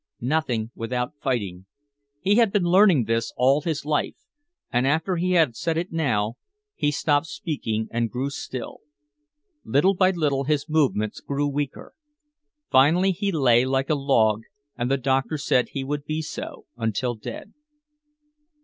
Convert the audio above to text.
"Nothing without fighting." He had been learning this all his life and after he had said it now, he stopped speaking and grew still. Little by little his movements grew weaker. Finally he lay like a log, and the doctor said he would be so until dead.